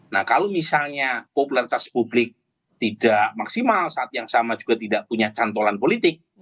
nah kalau misalnya popularitas publik tidak maksimal saat yang sama juga tidak punya cantolan politik